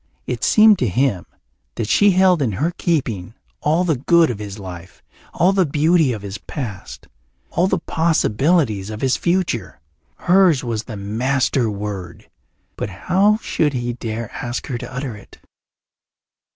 It seemed to him that she held in her keeping all the good of his life, all the beauty of his past, all the possibilities of his future. Hers was the master word, but how should he dare ask her to utter it?